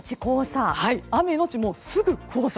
雨のち、すぐ黄砂。